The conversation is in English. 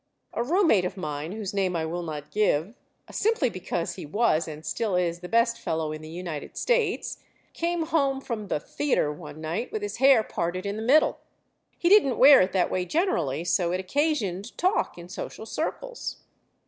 A room mate of mine, whose name I will not give, simply because he was and still is the best fellow in the United States, came home from the "theater" one night with his hair parted in the middle. He didn't wear it that way generally, so it occasioned talk in social circles.